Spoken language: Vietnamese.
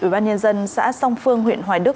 ủy ban nhân dân xã song phương huyện hoài đức